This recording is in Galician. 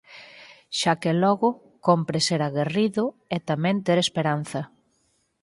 Xa que logo, cómpre ser aguerrido, e tamén ter esperanza.